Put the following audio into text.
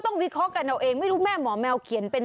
วิเคราะห์กันเอาเองไม่รู้แม่หมอแมวเขียนเป็น